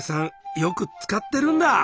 よく使ってるんだ。